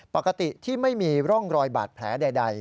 ปกติที่ไม่มีร่องรอยบาดแผลใด